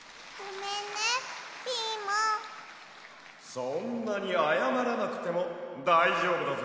そんなにあやまらなくてもだいじょうぶだぜ！